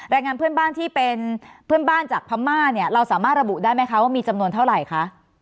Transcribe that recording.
แรงงานเพื่อนบ้านที่เป็นเพื่อนบ้านจากพม่าเนี่ยเราสามารถระบุได้ไหมคะว่ามีจำนวนเท่าไหร่คะ